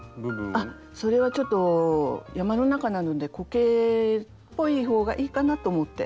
あっそれはちょっと山の中なのでコケっぽい方がいいかなと思って。